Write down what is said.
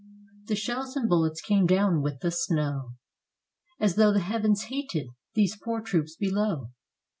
The shells and bullets came down with the snow As though the heavens hated these poor troops below.